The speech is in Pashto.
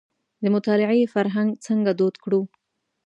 د مطالعې فرهنګ څنګه دود کړو.